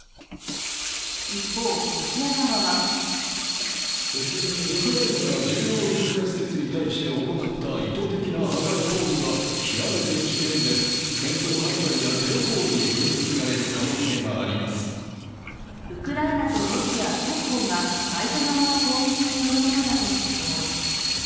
一方、ロシア側はウクライナとロシア双方が相手側の攻撃によるものだと主張。